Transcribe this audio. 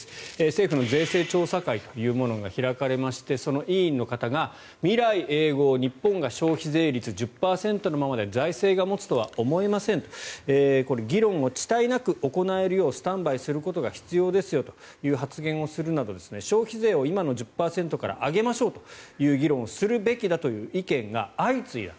政府の税制調査会というものが開かれましてその委員の方が未来永劫、日本が消費税率１０％のままで財政が持つとは思えませんとこれ、議論を遅滞なく行えるようスタンバイすることが必要ですという発言をするなど消費税を今の１０％から上げましょうという議論をするべきだという意見が相次いだ。